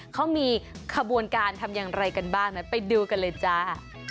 เขามีขบวนการทำอย่างไรกันบ้างนั้นไปดูกันเลยจ้า